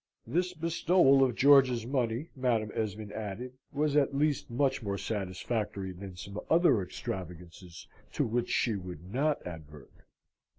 This bestowal of George's money, Madam Esmond added, was at least much more satisfactory than some other extravagances to which she would not advert.